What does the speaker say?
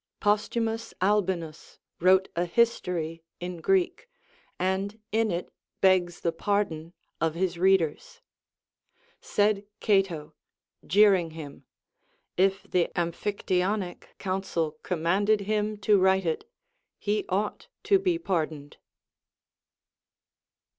Posthu mus Albinus wrote a history in Greek, and in it begs the pardon of his readers. Said Cato, jeering him. If the Am phictyonic Council commanded him to write it, he ought to be pardoned.